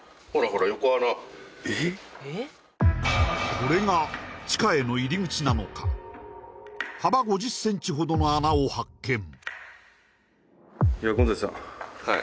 これが地下への入り口なのか幅５０ｃｍほどの穴を発見はい